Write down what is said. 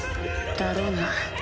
だろうな